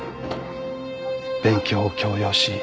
勉強を強要し。